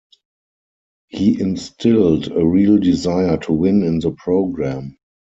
He instilled a real desire to win in the program.